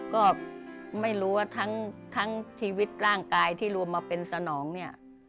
ก็ไม่รู้ว่าทั้งชีวิตร่างกายที่รวมมาเป็นสนองเนี่ย